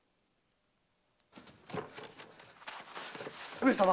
上様。